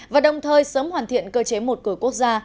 và đồng thời sớm hoàn thiện cơ chế một cửa quốc gia